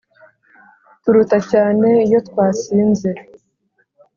turuta cyane iyo twasinze